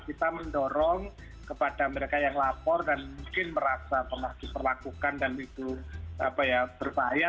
kita mendorong kepada mereka yang lapor dan mungkin merasa pernah diperlakukan dan itu berbahaya